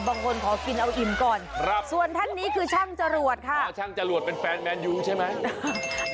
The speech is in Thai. แต่บางคนจะกินเอาอิ่มก่อนส่วนท่านนี้คือช่างจรวดค่ะช่างจรวดเป็นแฟนแมนยุใช่ไหม